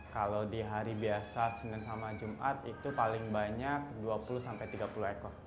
kalau di hari biasa senin sama jumat itu paling banyak dua puluh tiga puluh ekor